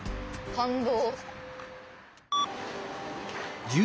感動。